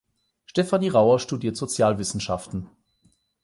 Stephanie Rauer studiert Sozialwissenschaften.